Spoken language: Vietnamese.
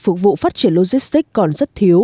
phục vụ phát triển logistic còn rất thiếu